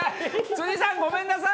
辻さんごめんなさい！